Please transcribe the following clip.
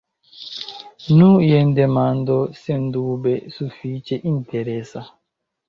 Nu, jen demando sendube sufiĉe interesa.